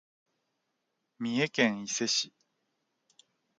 三重県伊勢市